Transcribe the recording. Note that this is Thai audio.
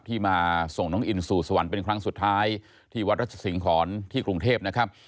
ที่มาส่งน้องอินสู่สวรรค์เป็นครั้งสุดท้ายที่วัดรัชสิงหอนที่กรุงเทพนะครับ